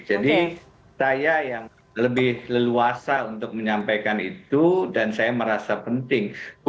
jadi saya yang lebih leluasa untuk menyampaikan itu dan saya merasa penting